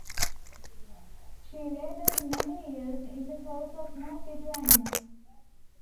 She laboured many years in the cause of mercy to animals.